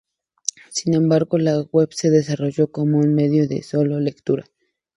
Sin embargo la web se desarrolló como un medio de solo lectura.